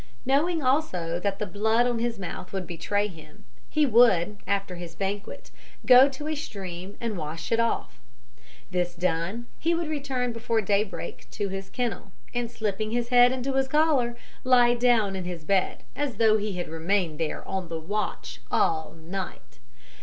Knowing also that the blood on his mouth would betray him, he would, after his banquet, go to a stream and wash it off. This done, he would return before daybreak to his kennel, and slipping his head into his collar, lie down in his bed, as though he had remained there on the watch all the night.